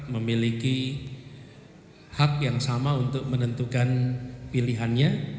memiliki hak yang sama untuk menentukan pilihannya